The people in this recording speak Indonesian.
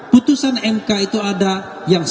putusan mk itu ada yang satu